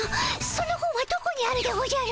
その本はどこにあるでおじゃる？